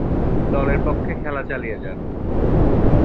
দলের পক্ষে খেলা চালিয়ে যান।